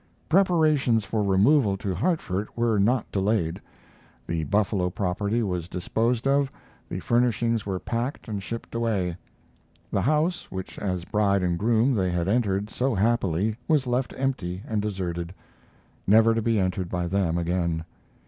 Preparations for removal to Hartford were not delayed. The Buffalo property was disposed of, the furnishings were packed and shipped away. The house which as bride and groom they had entered so happily was left empty and deserted, never to be entered by them again.